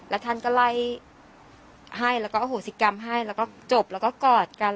แล้วท่านก็ไล่ให้แล้วก็อโหสิกรรมให้แล้วก็จบแล้วก็กอดกัน